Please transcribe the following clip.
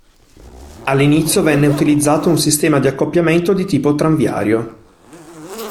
All'inizio venne utilizzato un sistema di accoppiamento di tipo tranviario.